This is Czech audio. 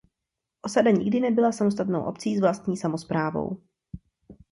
Osada nikdy nebyla samostatnou obcí s vlastní samosprávou.